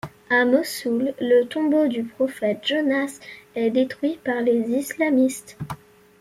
À Mossoul, le tombeau du prophète Jonas est détruit par les islamistes.